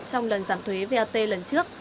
trong lần giảm thuế vat lần trước